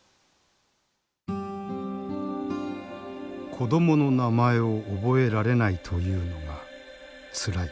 「子供の名前を覚えられないと言うのが辛い。